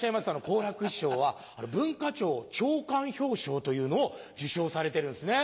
好楽師匠は文化庁長官表彰というのを受賞されてるんですね。